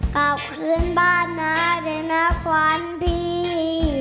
กลับคืนบ้านหน้าในหน้าขวานพี่